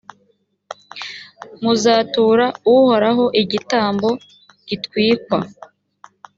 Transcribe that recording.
muzatura uhoraho igitambo gitwikwa